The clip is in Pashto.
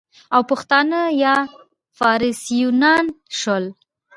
او پښتانه یا فارسیوانان شول،